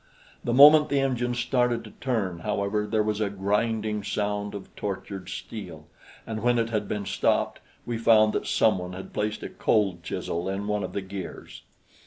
The moment the engine started to turn, however, there was a grinding sound of tortured steel, and when it had been stopped, we found that some one had placed a cold chisel in one of the gears.